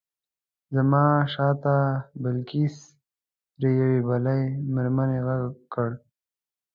زما شاته بلقیس پر یوې بلې مېرمنې غږ کړ.